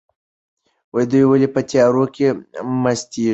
دوی ولې په تیارو کې مستیږي؟